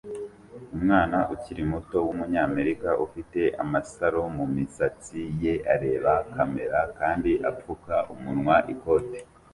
Umwana ukiri muto wumunyamerika ufite amasaro mumisatsi ye areba kamera kandi apfuka umunwa ikote